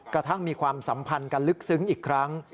กระทั่งมีความสัมพันธ์กันลึกซึ้งอีกครั้ง